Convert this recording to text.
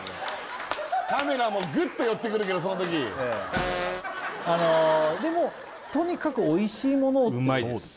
カメラもグッと寄ってくるからその時あのでもとにかくおいしいものをってことそうです